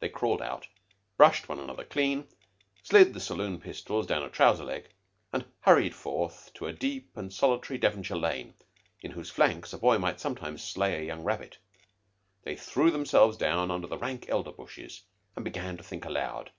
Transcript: They crawled out, brushed one another clean, slid the saloon pistols down a trouser leg, and hurried forth to a deep and solitary Devonshire lane in whose flanks a boy might sometimes slay a young rabbit. They threw themselves down under the rank elder bushes, and began to think aloud.